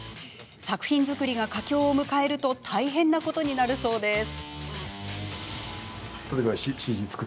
作品作りが佳境を迎えると大変なことになるそうです。